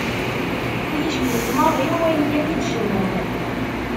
Ur iyi-cellef maḍi wayen yakk i d-cennun.